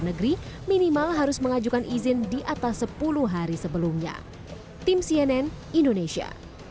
negeri minimal harus mengajukan izin di atas sepuluh hari sebelumnya tim cnn indonesia